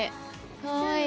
かわいい。